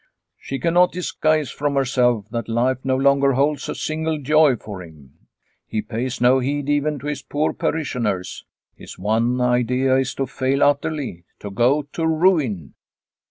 She cannot disguise from herself that life no longer holds a single joy for him. He pays no heed even to his poor parishioners ; his one idea is to fail utterly, to go to ruin.